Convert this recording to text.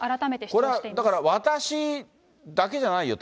これはだから、私だけじゃないよと。